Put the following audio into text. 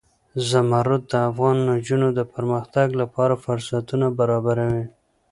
زمرد د افغان نجونو د پرمختګ لپاره فرصتونه برابروي.